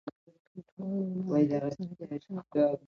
دواړو له ادب سره ګډ شوق درلود.